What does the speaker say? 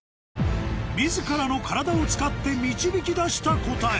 自らの体を使って導き出した答え